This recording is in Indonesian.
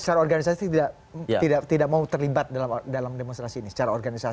secara organisasi tidak mau terlibat dalam demonstrasi ini secara organisasi